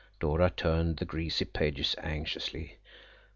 Dora turned the greasy pages anxiously.